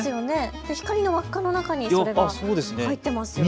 光の輪っかの中にそれが入っていますよね。